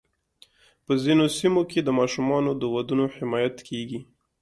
په ځینو سیمو کې د ماشومانو د ودونو حمایت کېږي.